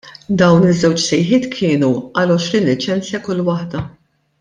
Dawn iż-żewġ sejħiet kienu għal għoxrin liċenzja kull waħda.